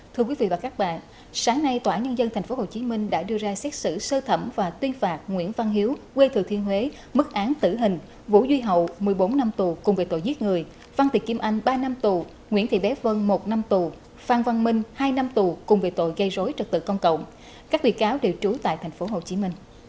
thưa quý vị và các bạn sáng nay tòa án nhân dân tp hcm đã đưa ra xét xử sơ thẩm và tuyên phạt nguyễn văn hiếu quê thừa thiên huế mức án tử hình vũ duy hậu một mươi bốn năm tù cùng về tội giết người văn tiệ kim anh ba năm tù nguyễn thị bé vân một năm tù phan văn minh hai năm tù cùng về tội gây rối trật tự công cộng các bị cáo đều trú tại tp hcm